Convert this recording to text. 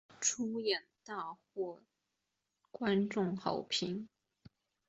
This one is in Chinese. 演出大获观众好评。